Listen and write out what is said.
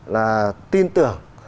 là tin tưởng